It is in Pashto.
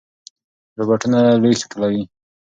روباټونه لوښي ټولوي.